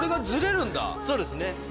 そうですね。